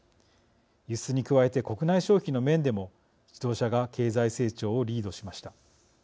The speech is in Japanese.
輸出に加えて、国内消費の面でも自動車が経済成長をリードしました。